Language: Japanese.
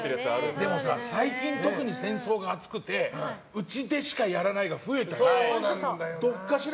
でもさ、最近特に戦争が熱くてうちでしかやらないが増えたから。